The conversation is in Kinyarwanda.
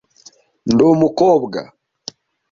ndi umukobwa.